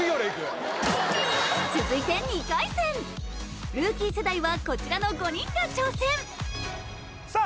続いて２回戦ルーキー世代はこちらの５人が挑戦さあ